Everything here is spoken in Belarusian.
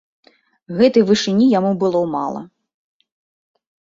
Гэтай вышыні яму было мала.